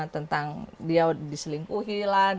tentang dia diselingkuhi lah